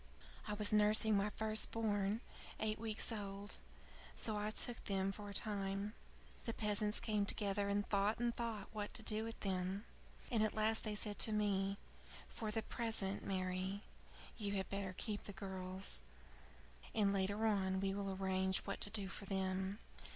I was nursing my first born eight weeks old. So I took them for a time. The peasants came together, and thought and thought what to do with them; and at last they said to me: 'For the present, Mary, you had better keep the girls, and later on we will arrange what to do for them.'